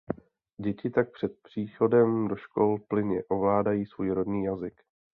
Děti tak před příchodem do škol plynně ovládají svůj rodný jazyk.